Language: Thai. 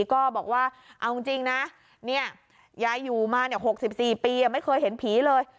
ก็บอกว่าเอาจริงนะยายอยู่มา๖๔ปีไม่เคยเห็นผีเลย